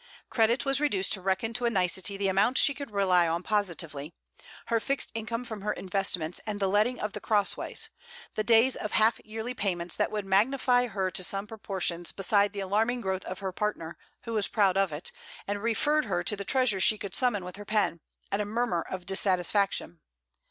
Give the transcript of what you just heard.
Credit was reduced to reckon to a nicety the amount she could rely on positively: her fixed income from her investments and the letting of The Crossways: the days of half yearly payments that would magnify her to some proportions beside the alarming growth of her partner, who was proud of it, and referred her to the treasures she could summon with her pen, at a murmur of dissatisfaction.